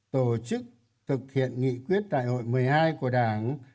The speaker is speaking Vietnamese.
tổ chức thực hiện nghị quyết đại hội một mươi hai của đảng